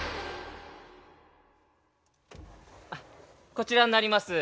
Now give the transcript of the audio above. こちらになります。